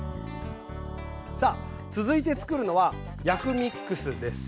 さあ続いてつくるのは薬味ックスです。